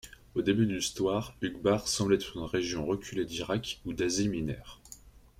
Au début de l'histoire, Uqbar semble être une région reculée d'Irak ou d'Asie mineure.